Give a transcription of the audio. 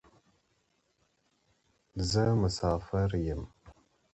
زه مسافر یم.